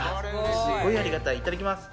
スゴいありがたいいただきます！